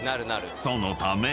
［そのため］